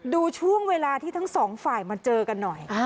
ดูช่วงเวลาที่ทั้งสองฝ่ายมาเจอกันหน่อย